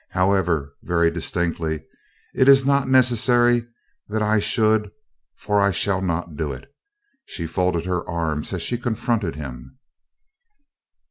"However," very distinctly, "it is not necessary that I should, for I shall not do it." She folded her arms as she confronted him.